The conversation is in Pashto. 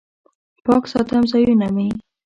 پاک ساتم ځایونه مې